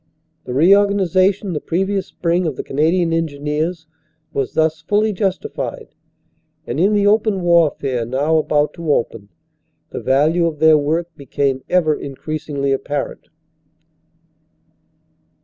The re organization the previous spring of the Canadian Engineers was thus fully justified, and in the open warfare now about to open, the value of their work became ever increasingly apparent.